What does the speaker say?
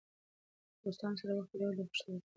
د دوستانو سره وخت تېرول د خوښۍ سبب کېږي.